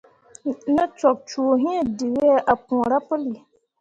Ne cok cuu hĩĩ, dǝwe ah puura puli.